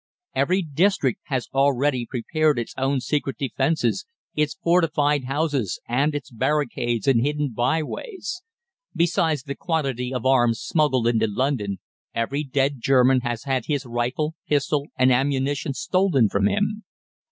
Every district has already prepared its own secret defences, its fortified houses, and its barricades in hidden by ways. Besides the quantity of arms smuggled into London, every dead German has had his rifle, pistol, and ammunition stolen from him.